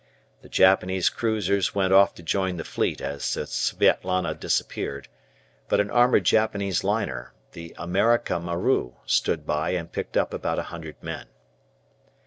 The Japanese cruisers went off to join the fleet as the "Svietlana" disappeared, but an armed Japanese liner, the "America Maru," stood by and picked up about a hundred men.